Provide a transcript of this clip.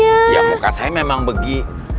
iya muka saya memang begi